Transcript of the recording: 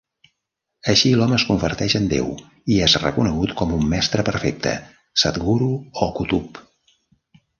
Així, l'home es converteix en Déu i és reconegut com un Mestre Perfecte, Satguru, o Kutub.